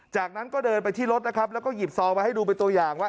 จากนั้นก็เดินไปที่รถนะครับแล้วก็หยิบซองไว้ให้ดูเป็นตัวอย่างว่า